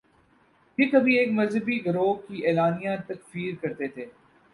یہ کبھی ایک مذہبی گروہ کی اعلانیہ تکفیر کرتے تھے۔